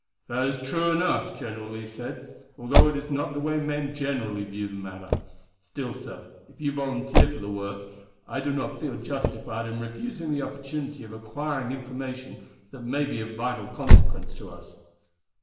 "That is true enough," General Lee said, "although it is not the way men generally view the matter. Still, sir, if you volunteer for the work, I do not feel justified in refusing the opportunity of acquiring information that may be of vital consequence to us.